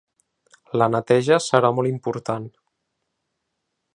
La neteja serà molt important.